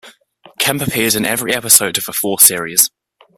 Kemp appeared in every episode of the four series.